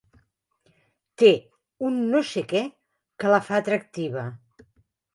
Té un no-sé-què que la fa atractiva.